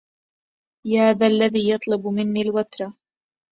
يا ذا الذي يطلب مني الوترا